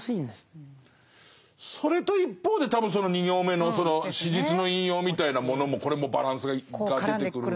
それと一方で多分その２行目の「史実の引用」みたいなものもこれもバランスが出てくるのかな。